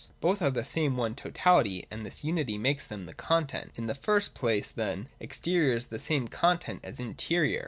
Both are the same one totality, and this unity makes them the content. 139.] In the first place then, Exterior is the same content as Interior.